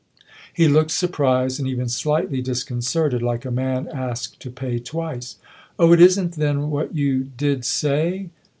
He looked sur prised and even slightly disconcerted, like a man asked to pay twice. " Oh, it isn't then what you did say